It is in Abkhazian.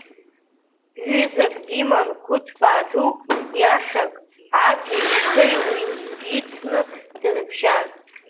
Ҩызак диман, гәы ҭбаа дук, иашак, Агеи ашьхеи уи дицны дрыбжьан.